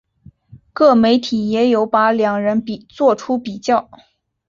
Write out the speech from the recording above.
各媒体也有把两人作出比较。